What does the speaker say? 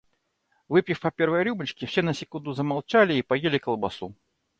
Выпив по первой рюмочке, все на секунду замолчали и поели колбасу.